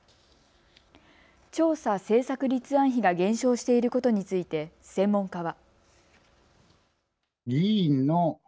調査・政策立案費が減少していることについて専門家は。